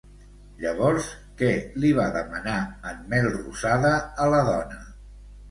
Llavors, què li va demanar en Melrosada a la dona?